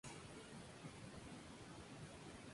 Fue titular de epidemiología en la provincia de San Luis.